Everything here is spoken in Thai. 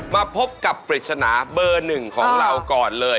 มาพบกับปริศนาเบอร์หนึ่งของเราก่อนเลย